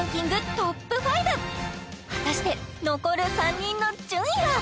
トップ５果たして残る３人の順位は？